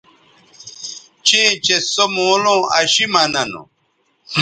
چیئں چہء سو مولوں اشی مہ ننوں